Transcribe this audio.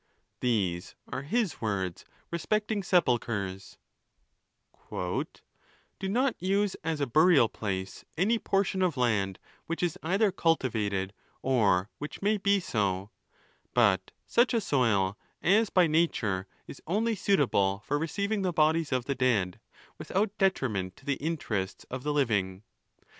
These are his words respect~ ing sepulchres :—" Do not use as a burial place any portion of land which is either cultivated, or which may be so ; but such a soil as by nature is only suitable for receiving the bodies of the dead, without detriment to the interests of the living.